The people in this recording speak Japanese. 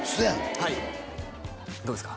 はいどうですか？